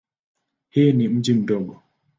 Hii ni mji mdogo.